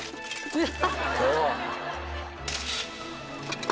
えっ？